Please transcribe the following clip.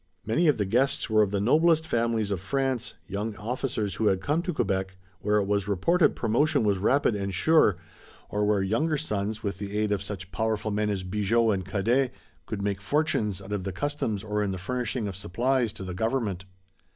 Many of the guests were of the noblest families of France, young officers who had come to Quebec, where it was reported promotion was rapid and sure, or where younger sons, with the aid of such powerful men as Bigot and Cadet, could make fortunes out of the customs or in the furnishing of supplies to the government.